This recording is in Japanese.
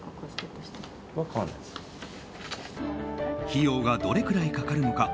費用がどれくらいかかるのか